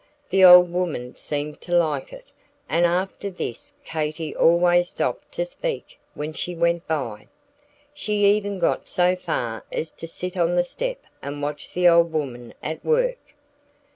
The old woman seemed to like it, and after this Katy always stopped to speak when she went by. She even got so far as to sit on the step and watch the old woman at work.